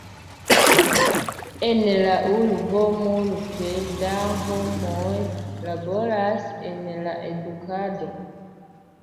En la urbo multe da homoj laboras en la edukado.